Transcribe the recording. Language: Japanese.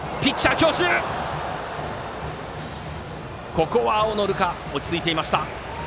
ここは青野流果落ち着いていました。